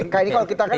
kalau kita kan